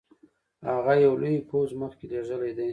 هغه یو لوی پوځ مخکي لېږلی دی.